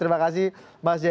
terima kasih mas jaya